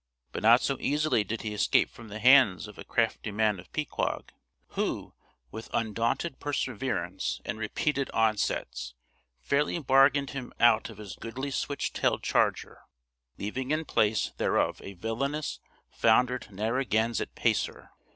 But not so easily did he escape from the hands of a crafty man of Pyquag; who, with undaunted perseverance and repeated onsets, fairly bargained him out of his goodly switch tailed charger, leaving in place thereof a villainous, foundered Narraganset pacer.